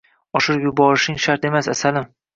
“Oshirib yuborishing shart emas, asalim.